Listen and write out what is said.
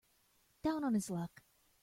Down on his luck.